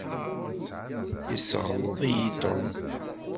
Yesseɣleḍ-iyi Tom.